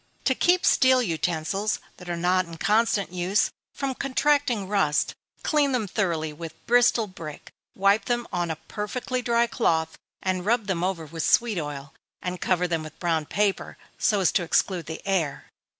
To keep steel utensils (that are not in constant use) from contracting rust, clean them thoroughly with Bristol brick, wipe them on a perfectly dry cloth, and rub them over with sweet oil, and cover them with brown paper, so as to exclude the air.